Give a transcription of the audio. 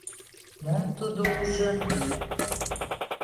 Мом тудо ужын?